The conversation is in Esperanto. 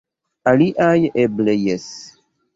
Aliaj eble jes.